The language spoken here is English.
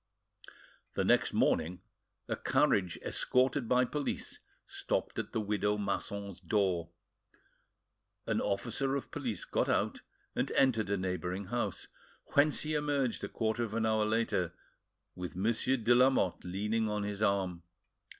The next morning a carriage escorted by police stopped at the widow Masson's door. An officer of police got out and entered a neighbouring house, whence he emerged a quarter of an hour later with Monsieur de Lamotte leaning on his arm.